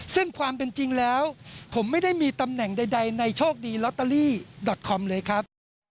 ซึ่งความเป็นจริงแล้วผมไม่ได้มีตำแหน่งใดในโชคดีลอตเตอรี่ดอตคอมเลยครับ